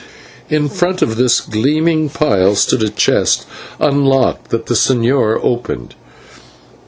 In front of this gleaming pile stood a chest, unlocked, that the señor opened.